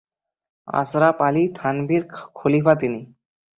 আশরাফ আলী থানভীর খলীফা তিনি।